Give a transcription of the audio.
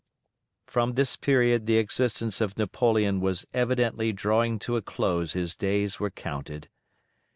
'" From this period the existence of Napoleon was evidently drawing to a close, his days were counted.